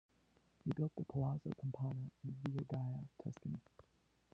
He built the Palazzo Campana in Villa Gaia, Tuscany.